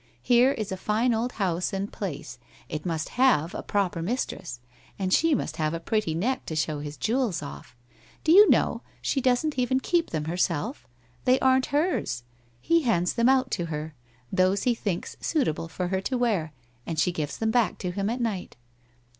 Here is a fine old house and place. It must have a proper mis tress, and she must have a pretty neck to show his jewels off. Do you know, she doesn't even keep them herself. They aren't hers. He hands them out to her — those he thinks suitable for her to wear, and she gives them back to him at night.'